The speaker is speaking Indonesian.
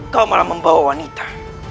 kau malah membawa wanita